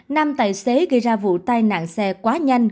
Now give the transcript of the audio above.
nam tài xế gây ra vụ tai nạn xe quá nhanh